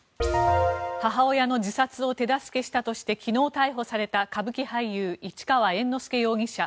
母親の自殺を手助けしたとして昨日逮捕された歌舞伎俳優、市川猿之助容疑者。